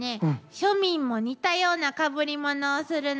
庶民も似たようなかぶり物をするの。